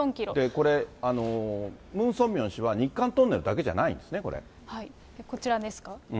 これ、ムン・ソンミョン氏は、日韓トンネルだけじゃないんですこちらです。